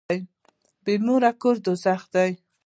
بي موره کور دوږخ دی.